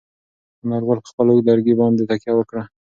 انارګل په خپل اوږد لرګي باندې تکیه وکړه.